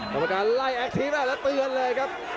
ครับประกาศไล่แอกทิมกันแล้วตื่นเลยครับ